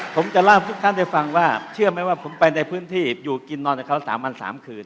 ผมจะล่าบทุกท่านได้ฟังว่าเชื่อไหมว่าผมไปในพื้นที่อยู่กินนอนในค้าวสามอันสามคืน